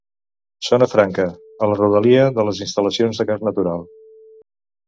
Zona Franca, a la rodalia de les instal·lacions de gas natural.